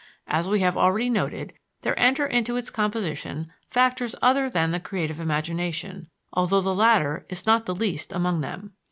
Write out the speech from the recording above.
As we have already noted, there enter into its composition factors other than the creative imagination, although the latter is not the least among them.